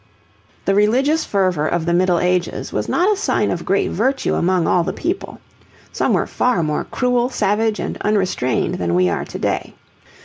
The religious fervour of the Middle Ages was not a sign of great virtue among all the people. Some were far more cruel, savage, and unrestrained than we are to day.